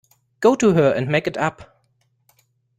Go to her and make it up.